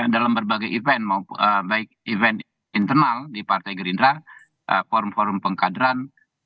dalam berbagai event baik event internal di partai gerindra forum forum pengkaderan